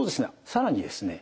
更にですね